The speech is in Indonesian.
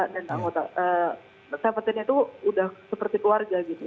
dan anggota tujuh belas itu udah seperti keluarga gitu